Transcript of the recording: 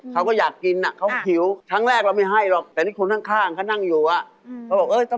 เขาก็ถามผมแขนจองให้นะเอาไหม